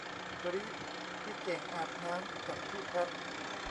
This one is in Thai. กรี๊ด พี่เก่งอาบน้ำกับพี่แพท